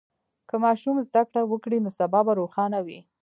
که ماشوم زده کړه وکړي، نو سبا به روښانه وي.